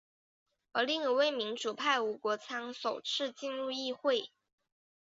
而另一位民主派吴国昌首次进入议会。